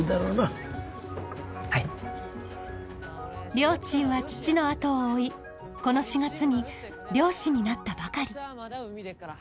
りょーちんは父の後を追いこの４月に漁師になったばかり。